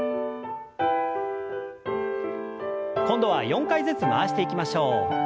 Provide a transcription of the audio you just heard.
今度は４回ずつ回していきましょう。